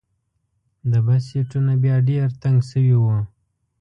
د بس سیټونه بیا ډېر تنګ جوړ شوي وو.